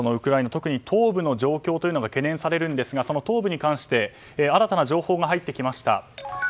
特に東部の状況が懸念されるんですが東部に関して新たな情報が入ってきました。